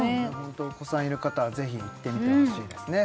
お子さんいる方はぜひ行ってみてほしいですね